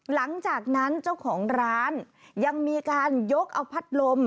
หลังจากนั้นเจ้าของร้านยังมีการยกเอาพัดลม